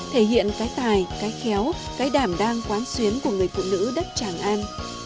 thể hiện cái tài cái khéo cái đảm đang quán xuyến của người phụ nữ đất tràng an